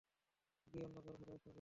গিয়ে অন্য কারো সাথে চেষ্টা কর।